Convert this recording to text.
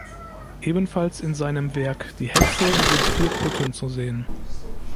Ebenfalls in seinem Werk "Die Hexe" sind vier Putten zu sehen.